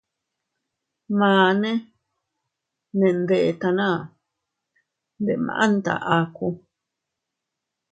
Mane ne ndetana, ndemanta aku.